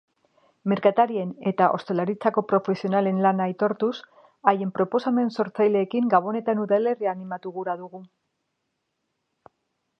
Merkatarien eta ostalaritzako profesionalen lana aitortuz haien proposamen sortzaileekin Gabonetan udalerria animatu gura dugu.